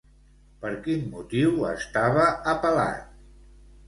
Per quin motiu estava apel·lat?